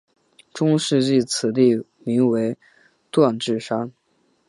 中世纪此地名为锻冶山。